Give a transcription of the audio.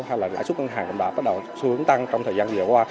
hay là lãi suất ngân hàng cũng đã bắt đầu xu hướng tăng trong thời gian vừa qua